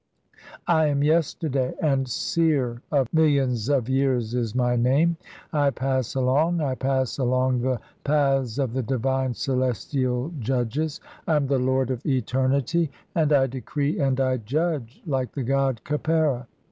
I am Yesterday, and Seer "of millions of years is my name. I pass along, I pass along "the paths of the divine celestial judges. (14) I am the lord of "eternitv, and I decree and I judge like the god Khepera.